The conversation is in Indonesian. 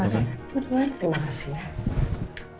terima kasih ya